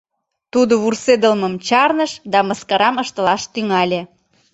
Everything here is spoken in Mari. Тудо вурседылмым чарныш да мыскарам ыштылаш тӱҥале.